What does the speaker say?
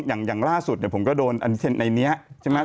อย่างล่าสุดผมก็โดนอันนี้ใช่ไหม